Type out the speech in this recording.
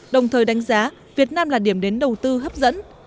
đồng thời đánh giá việt nam là điểm đến đầu tư hấp dẫn